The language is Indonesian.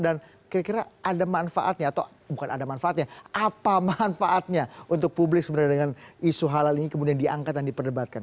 dan kira kira ada manfaatnya atau bukan ada manfaatnya apa manfaatnya untuk publik sebenarnya dengan isu halal ini kemudian diangkat dan diperdebatkan